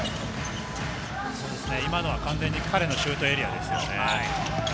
今のは完全に彼のシュートエリアですよね。